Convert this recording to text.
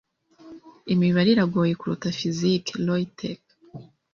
Imibare iragoye kuruta fiziki. (RoyTek)